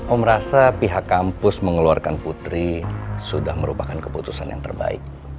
oh merasa pihak kampus mengeluarkan putri sudah merupakan keputusan yang terbaik